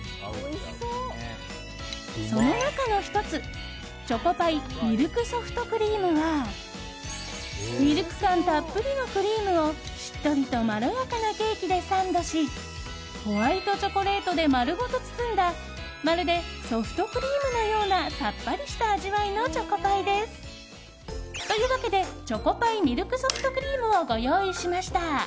その中の１つ、チョコパイミルクソフトクリームはミルク感たっぷりのクリームをしっとりとまろやかなケーキでサンドしホワイトチョコレートで丸ごと包んだまるでソフトクリームのようなさっぱりした味わいのチョコパイです。というわけで、チョコパイミルクソフトクリームをご用意しました。